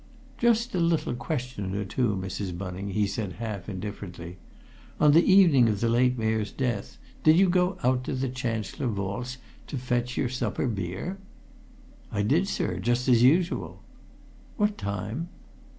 "Just a little question or two, Mrs. Bunning," he said half indifferently. "On the evening of the late Mayor's death, did you go out to the Chancellor Vaults to fetch your supper beer?" "I did, sir just as usual." "What time?"